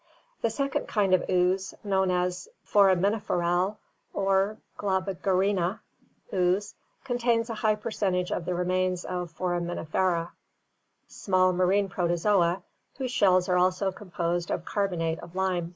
The second kind of ooze, known as foraminiferal or Globigerina ooze, contains a high percentage of the remains of Foraminifera, small marine Protozoa whose shells are also composed of carbonate of lime.